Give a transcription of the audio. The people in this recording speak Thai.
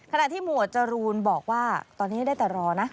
หมวดจรูนบอกว่าตอนนี้ได้แต่รอนะ